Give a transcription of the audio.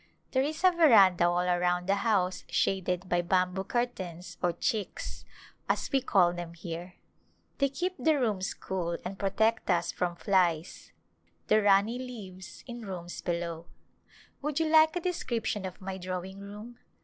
There is a veranda all around the house shaded by bamboo curtains or chiks^ as we call them here. In the Mountains They keep the rooms cool and protect us from flies. The Rani lives in rooms below. Would you like a description of my drawing room